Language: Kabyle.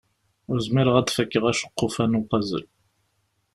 Ur zmireɣ ad d-fakkeɣ aceqquf-a n upazel.